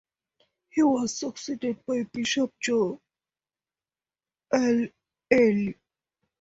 He was succeeded by Bishop Joe L. Ealy.